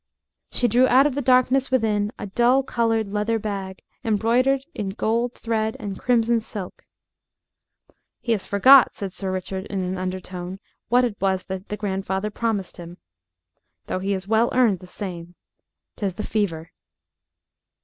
She drew out of the darkness within a dull colored leather bag embroidered in gold thread and crimson silk. "He has forgot," said Sir Richard in an undertone, "what it was that the grandfather promised him. Though he has well earned the same. 'Tis the fever."